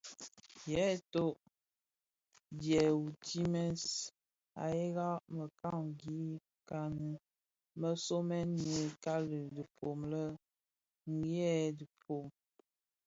Yèè thot djehoutimès a yëga mekanikani më somèn nyi kali dhifom le: eed: dhifom.